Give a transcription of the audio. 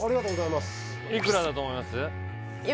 いくらだと思います？